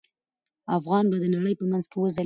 افغانستان به د نړۍ په منځ کې وځليږي.